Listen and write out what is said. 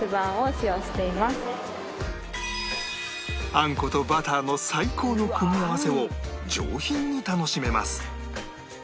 あんことバターの最高の組み合わせを上品に楽しめます